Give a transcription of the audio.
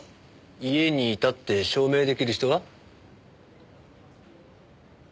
家にいたって証明出来る人は？